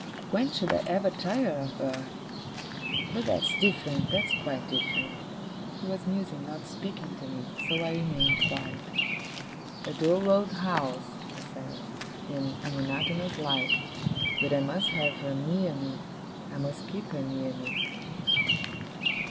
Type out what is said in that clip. When should I ever tire of her! But that's different, that's quite different.' He was musing, not speaking to me; so I remained quiet. 'A dull old house,' he said, 'and a monotonous life; but I must have her near me. I must keep her near me.